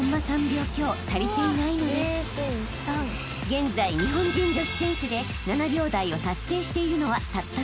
［現在日本人女子選手で７秒台を達成しているのはたったの３人］